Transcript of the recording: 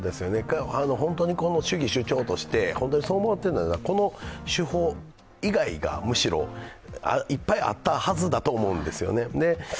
本当に主義・主張としてそう思っているなら、この手法以外にむしろいっぱいあったはずだと思うんですよね。